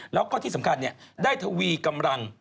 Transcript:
แล้วก็ที่สำคัญได้ทวีกำลัง